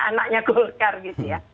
anaknya golkar gitu ya